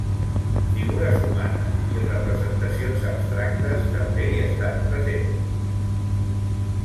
Figures humanes i representacions abstractes també hi estan presents.